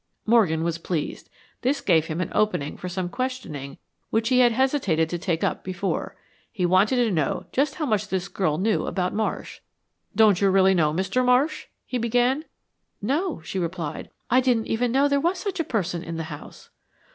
Morgan was pleased. This gave him an opening for some questioning which he had hesitated to take up before. He wanted to know just how much this girl knew about Marsh. "Don't you really know Mr. Marsh?" he began. "No," she replied. "I didn't even know there was such a person in the house."